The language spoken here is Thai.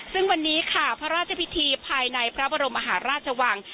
ซึ่งวันนี้ค่ะพระราชพิธีภายในพระบรมมหาราชวัง